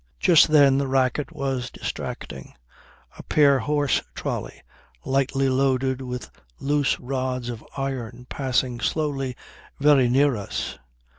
Just then the racket was distracting, a pair horse trolly lightly loaded with loose rods of iron passing slowly very near us.